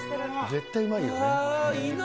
絶対うまいよね。